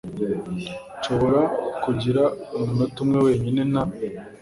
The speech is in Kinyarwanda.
Nshobora kugira umunota umwe wenyine na ?